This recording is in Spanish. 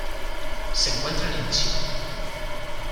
Se encuentran en China.